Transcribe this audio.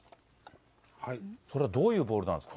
これはどういうボールなんですか？